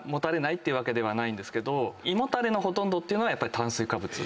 胃もたれのほとんどっていうのはやっぱり炭水化物。